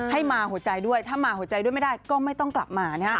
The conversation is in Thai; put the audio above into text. ให้มาหัวใจด้วยถ้ามาหัวใจด้วยไม่ได้ก็ไม่ต้องกลับมา